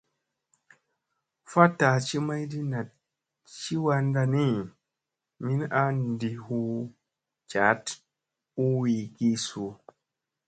Faɗta ci mayɗi naɗ ci wanɗa ni, min a ɗi hu caaɗ u wi ki su ?